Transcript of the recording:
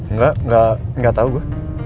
nggak nggak nggak tahu bu